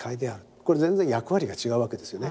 これ全然役割が違うわけですよね。